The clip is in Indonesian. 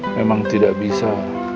memang tidak bisa